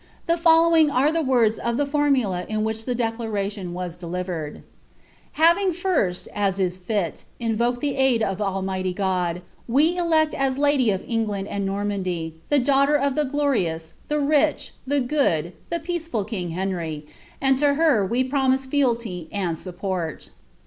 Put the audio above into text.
The followiDg are the words of the formula in wiiich the declaration was deliremd: " Having first, as is lit, invoked tlie aid of Almighty God, we clod « lady of England and Nuimandy the daughter of the glorioua, ilie ridi, the good, the peaceful king Henry, and to her we promise fealty and support."'